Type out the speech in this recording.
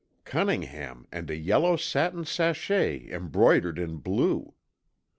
Cunningham and a yellow satin sachet embroidered in blue!